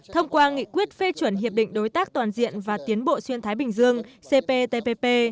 thông qua nghị quyết phê chuẩn hiệp định đối tác toàn diện và tiến bộ xuyên thái bình dương cptpp